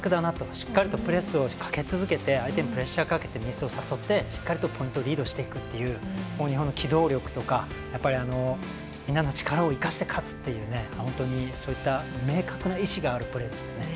しっかりとプレスをかけ続けて相手にプレッシャーかけてミスを誘ってしっかりとポイントをリードしていくという日本の機動力とかみんなの力を生かして勝つという本当にそういった明確な意思があるプレーでしたね。